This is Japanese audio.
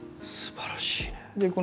すばらしいね。